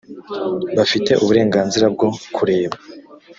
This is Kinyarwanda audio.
bafite uburenganzira bwo kureba